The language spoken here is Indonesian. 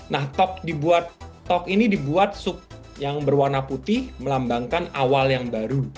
nah tok ini dibuat sup yang berwarna putih melambangkan awal yang baru